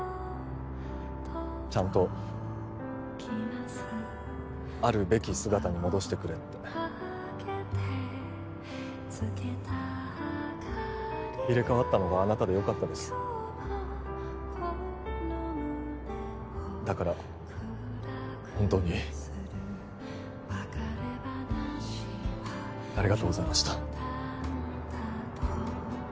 ちゃんとあるべき姿に戻してくれって入れ替わったのがあなたでよかったですだから本当にありがとうございました